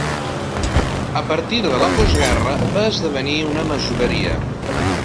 A partir de la postguerra va esdevenir una masoveria.